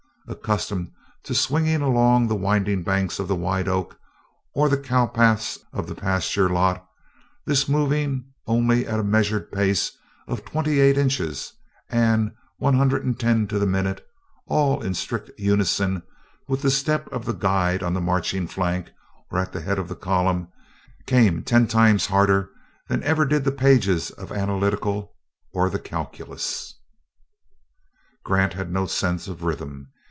Accustomed to swinging along the winding banks of the White Oak, or the cow paths of the pasture lot, this moving only at a measured pace of twenty eight inches, and one hundred and ten to the minute, and all in strict unison with the step of the guide on the marching flank or at the head of column, came ten times harder than ever did the pages of 'analytical' or the calculus. "Grant had no sense of rhythm.